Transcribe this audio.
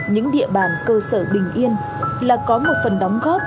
những địa bàn cơ sở bình yên là có một phần đóng góp